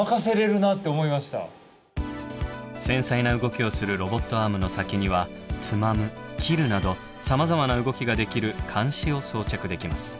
繊細な動きをするロボットアームの先には「つまむ」「切る」などさまざまな動きができる鉗子を装着できます。